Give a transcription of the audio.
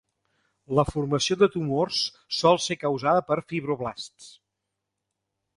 La formació de tumors sol ser causada per fibroblasts.